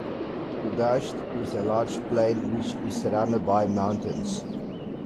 Kuhdasht is a large plain which is surrounded by mountains.